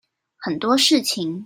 很多事情